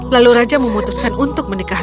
lalu raja memutuskan untuk menikah